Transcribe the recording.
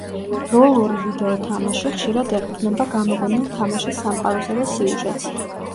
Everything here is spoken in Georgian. როლური ვიდეო თამაში, ხშირად ეყრდნობა გამოგონილ თამაშის სამყაროსა და სიუჟეტს.